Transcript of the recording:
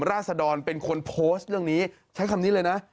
ราศดรเป็นคนโพสต์เรื่องนี้ใช้คำนี้เลยนะ